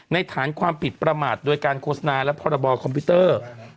ฐานความผิดประมาทโดยการโฆษณาและพรบคอมพิวเตอร์